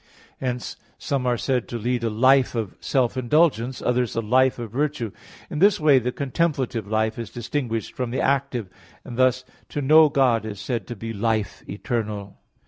Hence some are said to lead a life of self indulgence, others a life of virtue. In this way the contemplative life is distinguished from the active, and thus to know God is said to be life eternal.